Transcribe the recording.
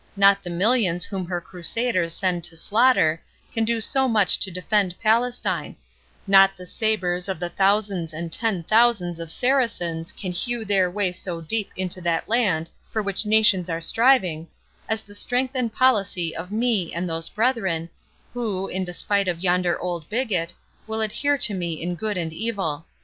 —Not the millions whom her crusaders send to slaughter, can do so much to defend Palestine—not the sabres of the thousands and ten thousands of Saracens can hew their way so deep into that land for which nations are striving, as the strength and policy of me and those brethren, who, in despite of yonder old bigot, will adhere to me in good and evil.